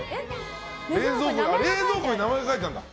冷蔵庫に名前が書いてあるんだ。